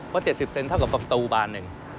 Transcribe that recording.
ว่า๗๐เซ็นต์ถ้ากับฝรั่งประตูบาลนึง